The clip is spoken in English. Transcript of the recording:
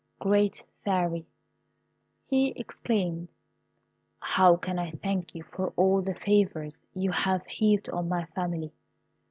"Great Fairy," he exclaimed, "how can I thank you for all the favours you have heaped on my family?